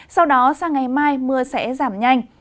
sau đó sang ngày mai mưa sẽ giảm nhanh